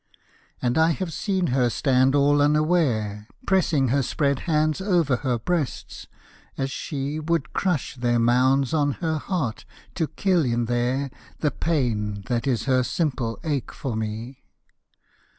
And I have seen her stand all unaware Pressing her spread hands over her breasts, as she Would crush their mounds on her heart, to kill in there The pain that is her simple ache for me.